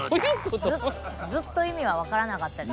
ずっと意味は分からなかったです。